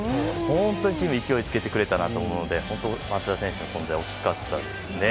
本当にチームに勢いをつけてくれたと思うので松田選手の存在は大きかったですね。